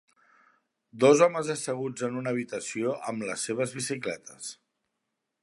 Dos homes asseguts en una habitació amb les seves bicicletes.